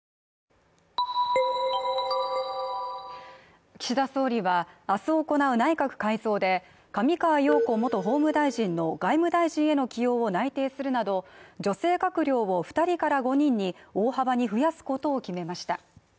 イ岸田総理は明日行う内閣改造で上川陽子元法務大臣の外務大臣への起用を内定するなど女性閣僚を２人から５人に大幅に増やすことを決めました